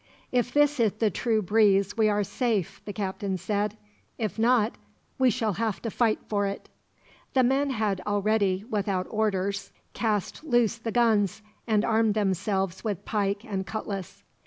"If this is the true breeze we are safe," the captain said. "If not, we shall have to fight for it." The men had already, without orders, cast loose the guns, and armed themselves with pike and cutlass.